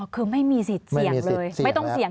อ๋อคือไม่มีสิทธิ์เสี่ยงเลย